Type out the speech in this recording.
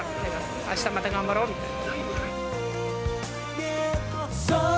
あしたまた頑張ろうみたいな。